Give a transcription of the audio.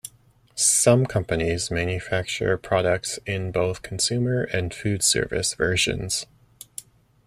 Some companies manufacture products in both consumer and foodservice versions.